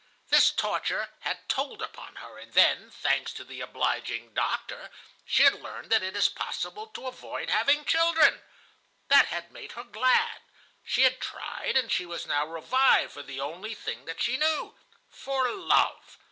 This torture had told upon her, and then, thanks to the obliging doctor, she had learned that it is possible to avoid having children. That had made her glad. She had tried, and she was now revived for the only thing that she knew,—for love.